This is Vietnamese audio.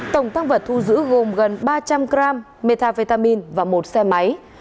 tổng thăng vật thu giữ gồm gần ba trăm linh g metavitamin và một xe máy